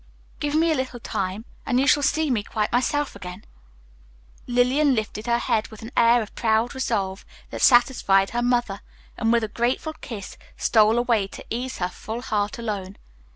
Give me a little time, and you shall see me quite myself again." Lillian lifted her head with an air of proud resolve that satisfied her mother, and with a grateful kiss stole away to ease her full heart alone.